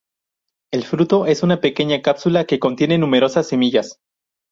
El fruto es una pequeña cápsula que contiene numerosas semillas.